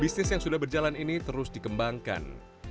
bisnis yang sudah berjalan ini terus dikembangkan